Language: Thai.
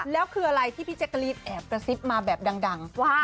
แล้วคืออะไรที่พี่แจ็กเกอลินแหปะสิบแบบดังว่า